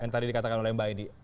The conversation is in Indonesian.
yang tadi dikatakan oleh mbak edy